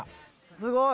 すごい！